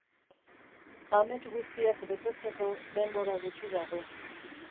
Amets guztiak betetzeko denbora gutxi dago.